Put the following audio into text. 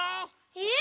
え？